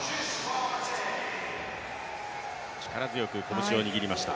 力強く拳を握りました。